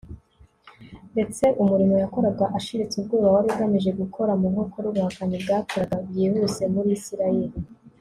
ndetse umurimo yakoraga ashiritse ubwoba wari ugamije gukoma mu nkokora ubuhakanyi bwakwiraga byihuse muri Isirayeli